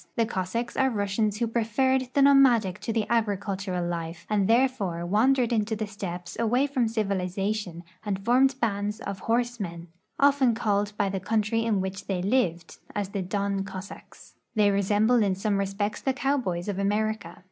The Cossacks are Russians who preferred the nomadic to the agricultural life, and therefore wandered into the steppes away from civilization and formed bands of horse men, called often by the country in which they lived, as the Don Cossacks. They resemble in some respects the cowboys of America.